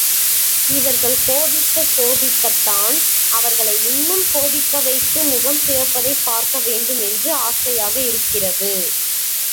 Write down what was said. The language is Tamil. இவர்கள் கோபிக்கக் கோபிக்கத்தான் அவர்களை இன்னும் கோபிக்க வைத்து முகம் சிவப்பதைப் பார்க்க வேண்டும், என்று ஆசையாக இருக்கிறது.